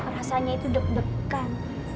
rasanya itu deg degan